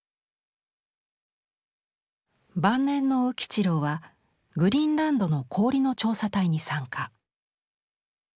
晩年の宇吉郎はグリーンランドの氷の調査隊に参加。